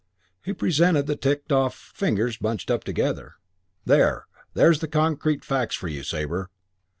He presented the ticked off fingers bunched up together. "There, there's concrete facts for you, Sabre.